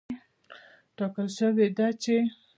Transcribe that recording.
ټاکل شوې ده چې